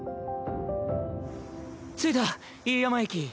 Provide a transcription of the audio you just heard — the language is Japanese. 着いた飯山駅。